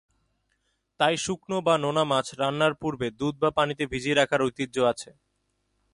তাই শুকনো বা নোনা মাছ রান্নার পূর্বে দুধ বা পানিতে ভিজিয়ে রাখার ঐতিহ্য আছে।